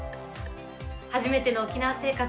初めての沖縄生活。